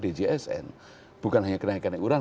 djsn bukan hanya kenaikan iuran